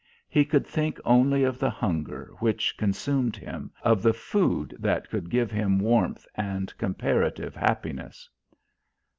He could think only of the hunger which consumed him, of the food that could give him warmth and comparative happiness.